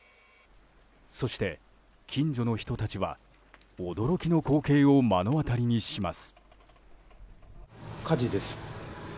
そして、近所の人たちは驚きの光景を目の当たりにします。